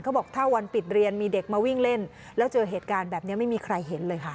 เขาบอกถ้าวันปิดเรียนมีเด็กมาวิ่งเล่นแล้วเจอเหตุการณ์แบบนี้ไม่มีใครเห็นเลยค่ะ